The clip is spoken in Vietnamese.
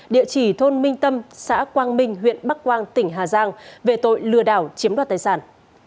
địa chỉ thôn minh tâm xã quang minh huyện bắc quang tỉnh hà giang về tội lừa đảo chiếm đoạt tài sản